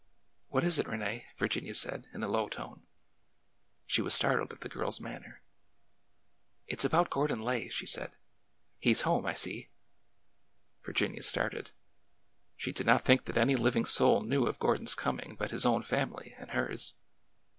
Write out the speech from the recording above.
'' What is it, Rene ?" Virginia said in a low tone. She was startled at the girl's manner. '' It 's about Gordon Lay," she said. He 's home, I see." Virginia started. She did not think that any living soul knew of Gordon's coming but his own family and hers.